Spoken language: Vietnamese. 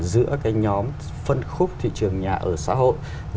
giữa cái nhóm phân khúc thị trường nhà ở xã hội